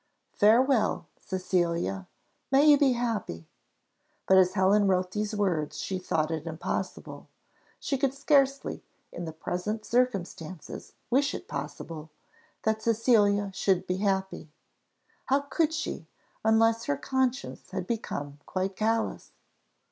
"Farewell, Cecilia; may you be happy!" But as Helen wrote these words, she thought it impossible, she could scarcely in the present circumstances wish it possible, that Cecilia should be happy. How could she, unless her conscience had become quite callous?